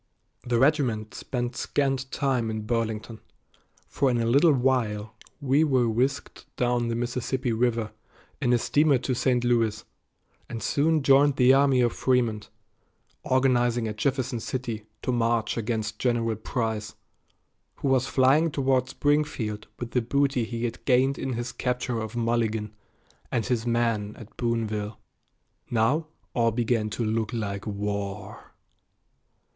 The regiment spent scant time in Burlington, for in a little while we were whisked down the Mississippi River in a steamer to St. Louis, and soon joined the army of Frémont, organizing at Jefferson City to march against General Price, who was flying toward Springfield with the booty he had gained in his capture of Mulligan and his men at Boonville. Now all began to look like war.